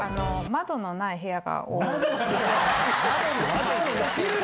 窓のない部屋。